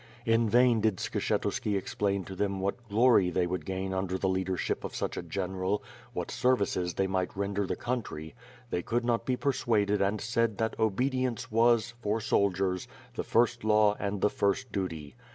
In vain did Skshetuski explain to them what glory they would gain under the leadership of such a general, what ser vices they might render the country; they could not be per suaded and said that obedience was, for soldiers, the first law and the first duty.